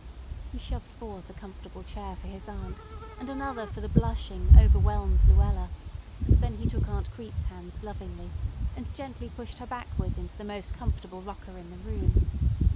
He shoved forth a comfortable chair for his aunt, and another for the blushing, overwhelmed Luella; and then he took Aunt Crete's hands lovingly, and gently pushed her backward into the most comfortable rocker in the room.